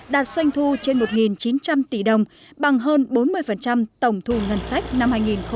đạt doanh thu trên một chín trăm linh tỷ đồng bằng hơn bốn mươi tổng thu ngân sách năm hai nghìn một mươi tám